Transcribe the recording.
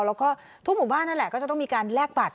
แล้วก็ทุกหมู่บ้านนั่นแหละก็จะต้องมีการแลกบัตร